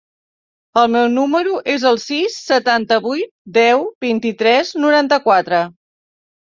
El meu número es el sis, setanta-vuit, deu, vint-i-tres, noranta-quatre.